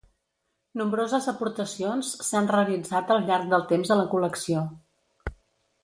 Nombroses aportacions s'han realitzat al llarg del temps a la col·lecció.